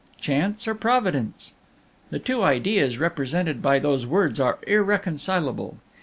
Chance or Providence? "The two ideas represented by those words are irreconcilable.